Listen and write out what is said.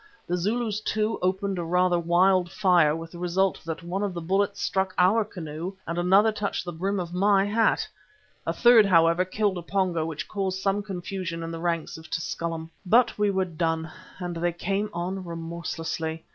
The Zulus, too, opened a rather wild fire, with the result that one of the bullets struck our canoe and another touched the brim of my hat. A third, however, killed a Pongo, which caused some confusion in the ranks of Tusculum. But we were done and they came on remorselessly.